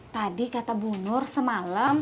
tadi kata bu nur semalam